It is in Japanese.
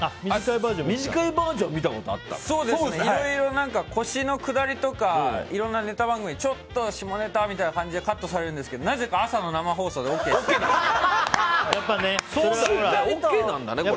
短いバージョンをいろいろ腰のくだりとかいろんなネタ番組でちょっと、下ネタみたいな感じでカットされるんですけどなぜか朝の生放送でＯＫなんだね、これ。